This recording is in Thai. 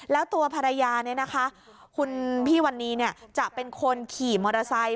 แล้วตัวภรรยาคุณพี่วันนี้จะเป็นคนขี่มอเตอร์ไซค